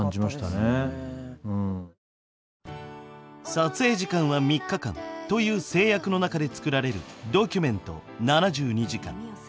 撮影時間は３日間という制約の中で作られる「ドキュメント７２時間」。